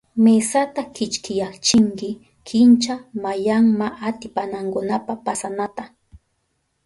Mesata kichkiyachinki kincha mayanmaatipanankunapa pasanata.